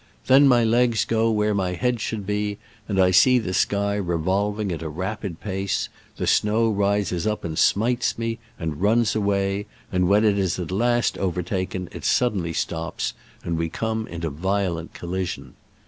Then my legs go where my head should be, and I see the sky revolving at a rapid pace : the snow rises up and smites me, and runs away, and when it is at last over taken it suddenly stops, and we come into violent coUision.